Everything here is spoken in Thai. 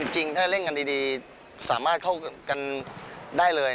จริงถ้าเล่นกันดีสามารถเข้ากันได้เลย